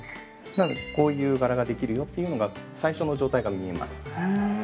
◆こういう柄ができるよというのが、最初の状態が見えます。